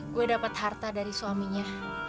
gue dapat harta dari suaminya